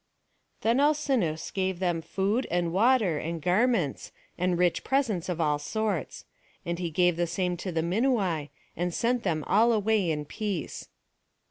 Then Alcinous gave them food, and water, and garments, and rich presents of all sorts; and he gave the same to the Minuai, and sent them all away in peace.